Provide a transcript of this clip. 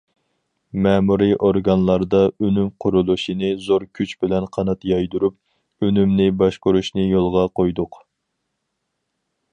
مەمۇرىي ئورگانلاردا ئۈنۈم قۇرۇلۇشىنى زور كۈچ بىلەن قانات يايدۇرۇپ، ئۈنۈمنى باشقۇرۇشنى يولغا قويدۇق.